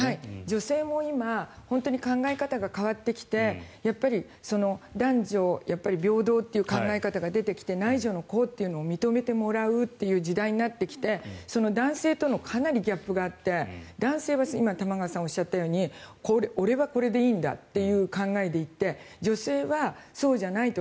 女性も今、本当に考え方が変わってきて男女平等という考え方が出てきて内助の功というのを認めてもらうという時代になってきて男性とのかなりギャップがあって男性は今、玉川さんがおっしゃったように俺はこれでいいんだという考えで行って女性はそうじゃないと。